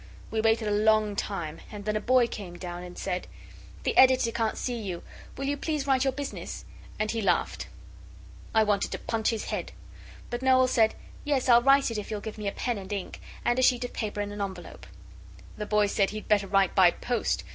We waited a long time, and then a boy came down and said 'The Editor can't see you. Will you please write your business?' And he laughed. I wanted to punch his head. But Noel said, 'Yes, I'll write it if you'll give me a pen and ink, and a sheet of paper and an envelope.' The boy said he'd better write by post.